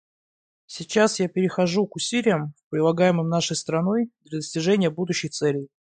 Сейчас я перехожу к усилиям, прилагаемым нашей страной для достижения будущих целей.